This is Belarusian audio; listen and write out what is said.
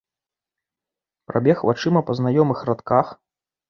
Прабег вачыма па знаёмых радках.